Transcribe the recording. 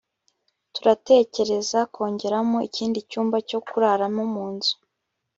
turatekereza kongeramo ikindi cyumba cyo kuraramo munzu